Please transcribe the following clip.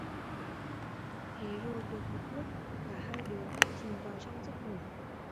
Thế rồi được một lúc, cả hai đứa nhóc chìm vào trong giấc ngủ